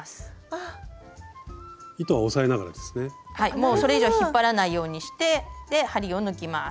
もうそれ以上は引っ張らないようにして針を抜きます。